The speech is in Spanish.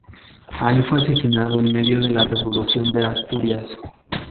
Ahí fue asesinado en medio de la Revolución de Asturias.